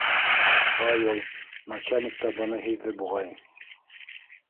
Павел... начальник та быны һиҙҙе, буғай.